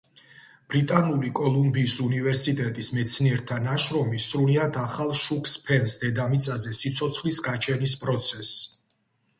ბრიტანული კოლუმბიის უნივერსიტეტის მეცნიერთა ნაშრომი სრულიად ახალ შუქს ფენს დედამიწაზე სიცოცხლის გაჩენის პროცესს.